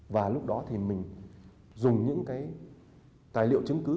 và lúc đó thì mình dùng những cái tài liệu chứng cứ